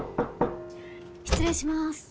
・失礼します。